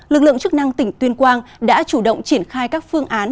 lực lượng chức năng tỉnh tuyên quang đã chủ động triển khai các phương án